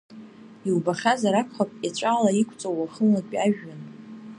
Иубахьазар акәхап еҵәала иқәҵоу уахынлатәи ажәҩан.